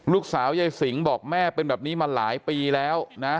ยายสิงห์บอกแม่เป็นแบบนี้มาหลายปีแล้วนะ